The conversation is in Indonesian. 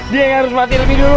dia yang harus mati lebih dulu